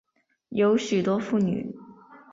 有许多妇女